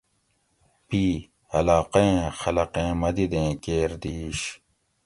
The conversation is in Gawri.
پی) علاقائیں خلقیں مددیں کیر دِیش